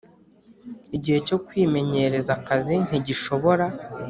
Igihe cyo kwimenyereza akazi ntigishobora